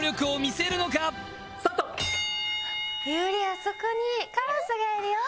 あそこにカラスがいるよ。